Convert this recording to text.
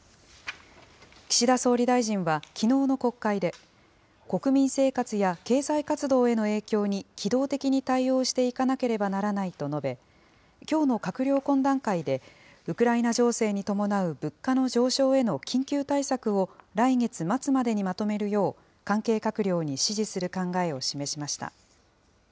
岸田総理大臣は、きのうの国会で、国民生活や経済活動への影響に、機動的に対応していかなければならないと述べ、きょうの閣僚懇談会で、ウクライナ情勢に伴う物価の上昇への緊急対策を、来月末までにまとめるよう、関係閣僚に指示する考えを示しました。